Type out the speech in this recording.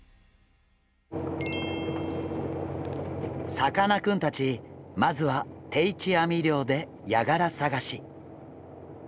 さかなクンたちまずは定置網漁でヤガラ探し。